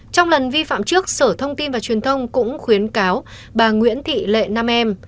trong lần vi phạm trước sở thông tin và truyền thông cũng khuyến cáo bà nguyễn thị lệ nam em